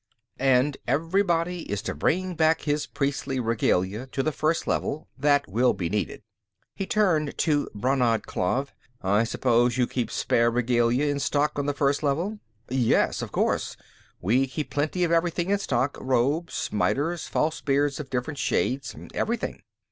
And everybody is to bring back his priestly regalia to the First Level; that will be needed." He turned to Brannad Klav. "I suppose you keep spare regalia in stock on the First Level?" "Yes, of course; we keep plenty of everything in stock. Robes, miters, false beards of different shades, everything."